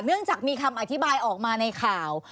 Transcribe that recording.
เนื่องจากมีคำอธิบายออกมาในข่าว